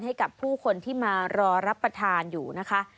ให้กับผู้คนที่มารอรับประทานอยู่นะคะ